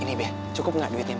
ini be cukup gak duitnya be